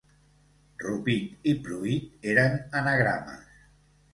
Rupit i Pruit eren anagrames.